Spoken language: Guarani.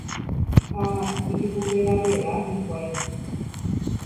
ha ijuruveravera hikuái.